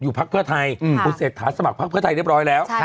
พักเพื่อไทยคุณเศรษฐาสมัครพักเพื่อไทยเรียบร้อยแล้ว